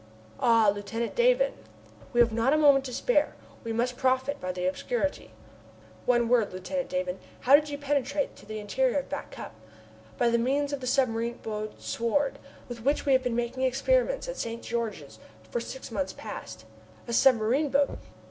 "Ah! Lieutenant Davon " "Now we have not a moment to spare, we must profit by the obscurity." "One word, Lieutenant Davon, how did you penetrate to the interior of Back Cup?" "By means of the submarine boat Sword, with which we have been making experiments at St. George for six months past." "A submarine boat!"